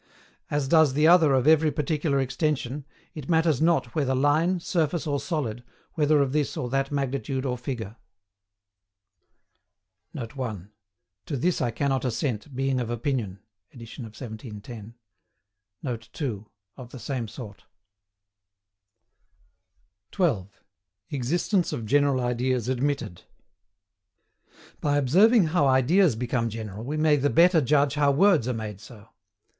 As does the other of every particular extension, it matters not whether line, surface, or solid, whether of this or that magnitude or figure. [Note 1: "TO THIS I CANNOT ASSENT, BEING OF OPINION," edit of 1710.] [Note 2: Of the same sort.] 12. EXISTENCE OF GENERAL IDEAS ADMITTED. By observing how ideas become general we may the better judge how words are made so.